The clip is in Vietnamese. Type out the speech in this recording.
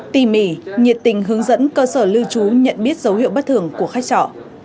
tỉ mỉ nhiệt tình hướng dẫn cơ sở lưu trú nhận biết dấu hiệu bất thường của khách trọ